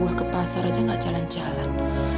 tapi gak ada bangunan